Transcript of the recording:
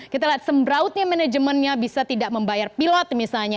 kita lihat sembrautnya manajemennya bisa tidak membayar pilot misalnya